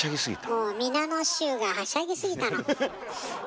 もう皆の衆がはしゃぎ過ぎたの。